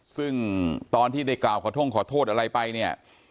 ซึ่งตอนที่ได้กล่าวขอโทษอะไรไปเนี่ย